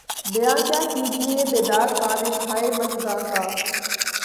بیاں کیا کیجیے بیداد کاوش ہائے مژگاں کا